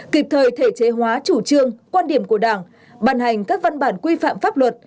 kịp thời thể chế hóa chủ trương quan điểm của đảng bàn hành các văn bản quy phạm pháp luật